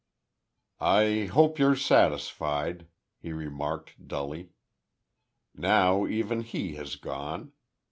"I hope you're satisfied," he remarked, dully. "Now even he has gone.